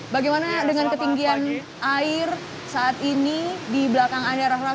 bagaimana dengan ketinggian air saat ini di belakang anda raff raf